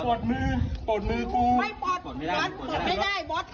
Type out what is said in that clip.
บอสบอสอะไรบอสปลดมือปลดมือกูไม่ปลดไม่ได้บอส